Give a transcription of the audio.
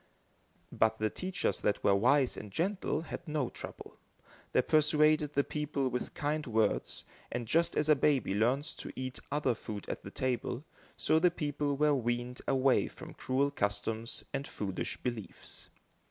But the teachers that were wise and gentle had no trouble. They persuaded the people with kind words, and, just as a baby learns to eat other food at the table, so the people were weaned away from cruel customs and foolish beliefs.